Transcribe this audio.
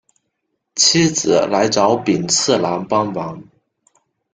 妻子来找寅次郎帮忙。